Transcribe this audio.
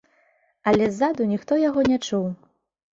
Але ззаду ніхто яго не чуў.